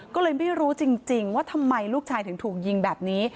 ก็เลยไม่รู้จริงว่าทำไมลูกชายถึงถูกยิงแบบนี้